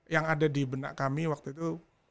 yang ada di benak kami waktu itu